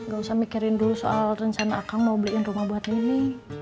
gak usah mikirin dulu soal rencana kang mau beliin rumah buat ini